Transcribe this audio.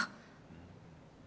うん。